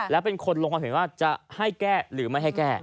และเป็นคนลงความเห็นว่าจะให้แก้หรือไม่ให้แก้